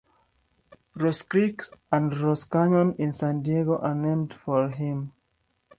Rose Creek and Rose Canyon in San Diego are named for him.